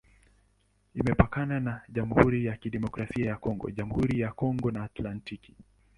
Imepakana na Jamhuri ya Kidemokrasia ya Kongo, Jamhuri ya Kongo na Atlantiki.